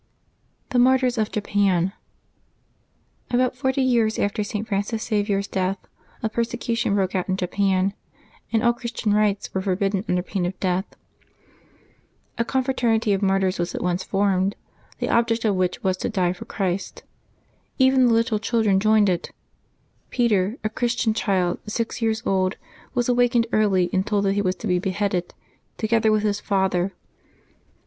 THE MARTYRS OF JAPAN. HBOUT forty years after St. Francis Xavier's death a persecution broke out in Japan, and all Christian rites were forbidden under pain of death. A confraternity of martyrs was at once formed, the object of which was to die for Christ. Even the little children joined it. Peter, a Christian child six years old, was awakened early and told that he was to be beheaded, together with his father.